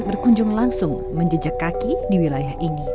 berkunjung langsung menjejak kaki di wilayah ini